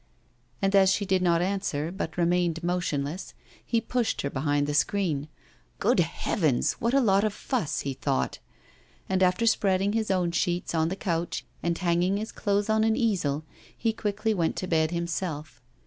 And as she did not answer, but remained motionless, he pushed her behind the screen. 'Good heavens! what a lot of fuss,' he thought. And after spreading his own sheets on the couch, and hanging his clothes on an easel, he quickly went to bed himself.